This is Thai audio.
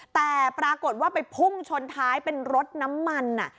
แต่ปรากฏว่าไปพุ่งชนท้ายเป็นรถน้ำมัน